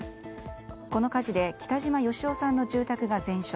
この火事で北嶌義雄さんの住宅が全焼。